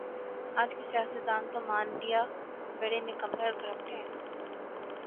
آج کے سیاستدان تو مان لیا بڑے نکمّے اورکرپٹ ہیں